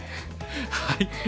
はい。